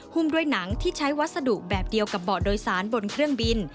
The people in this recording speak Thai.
ด้วยหนังที่ใช้วัสดุแบบเดียวกับเบาะโดยสารบนเครื่องบิน